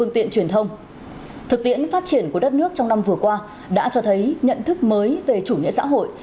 thực tiễn phát triển của đất nước trong năm vừa qua đã cho thấy nhận thức mới về chủ nghĩa xã hội